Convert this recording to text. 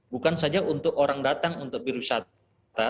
bukan saja untuk orang datang untuk berwisata